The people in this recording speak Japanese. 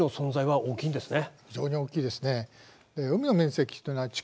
非常に大きいですね。